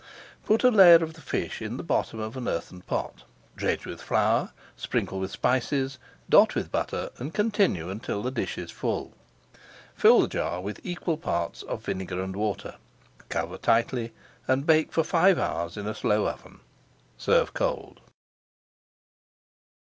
Put a layer of the fish in the bottom of an earthen pot, [Page 478] dredge with flour, sprinkle with spices, dot with butter, and continue until the dish is full. Fill the jar with equal parts of vinegar and water, cover tightly, and bake for five hours in a slow oven. Serve cold.